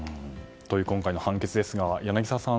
今回の判決ですが柳澤さん